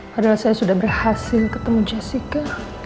padahal saya sudah berhasil ketemu jessica